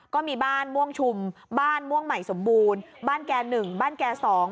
ก็มีบ้านม่วงชุมบ้านม่วงใหม่สมบูรณ์บ้านแก่๑บ้านแก่๒